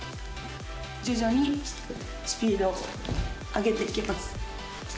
徐々にスピード上げてきます。